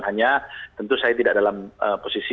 dan hanya tentu saya tidak dalam posisi